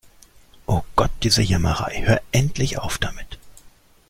Oh Gott, diese Jammerei. Hör endlich auf damit!